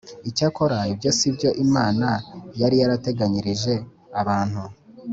Icyakora ibyo si byo imana yari yarateganyirije abantu